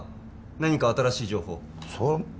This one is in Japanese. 何か新しい情報